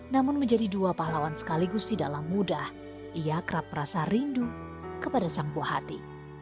namun menjadi dua pahlawan sekaligus di dalam muda ia kerap merasa rindu kepada sang puah hati